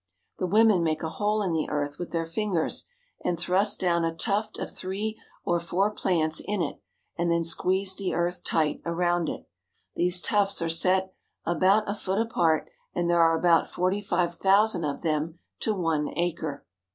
The women make a hole in the earth with their fingers, and thrust down a tuft of three or four plants in it, and then squeeze the earth tight around it. These tufts are set out about a foot apart, and there are about forty five thousand of them to one acre.